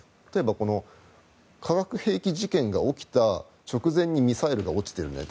例えば、化学兵器事件が起きた直前にミサイルが落ちている。